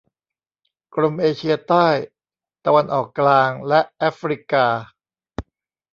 กรมเอเชียใต้ ตะวันออกกลาง และแอฟริกา